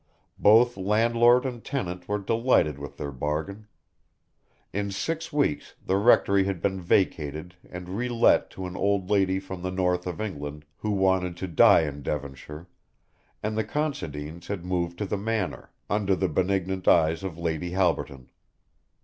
Both landlord and tenant were delighted with their bargain. In six weeks the Rectory had been vacated and relet to an old lady from the north of England who wanted to die in Devonshire, and the Considines had moved to the Manor, under the benignant eyes of Lady Halberton.